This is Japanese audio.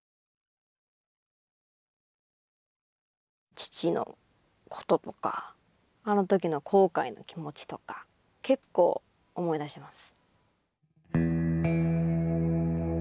父のこととかあの時の後悔の気持ちとか結構思い出します。